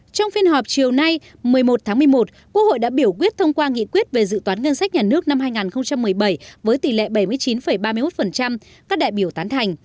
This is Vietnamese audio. trong phiên họp chiều nay một mươi một tháng một mươi một quốc hội đã biểu quyết thông qua nghị quyết về dự toán ngân sách nhà nước năm hai nghìn một mươi bảy với tỷ lệ bảy mươi chín ba mươi một các đại biểu tán thành